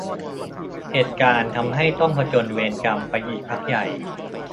เหตุการณ์ทำให้ต้องผจญเวรกรรมไปอีกพักใหญ่